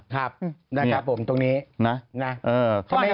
ครับนะครับผมตรงนี้นะ